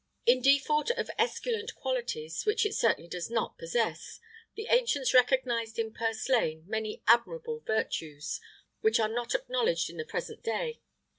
[IX 81] In default of esculent qualities (which it certainly does not possess), the ancients recognised in purslaine many admirable virtues,[IX 82] which are not acknowledged in the present day.